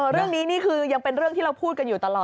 เรื่องนี้นี่คือยังเป็นเรื่องที่เราพูดกันอยู่ตลอด